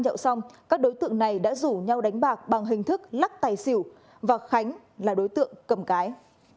nhậu xong các đối tượng này đã rủ nhau đánh bạc bằng hình thức lắc tài xỉu và khánh là đối tượng cầm cái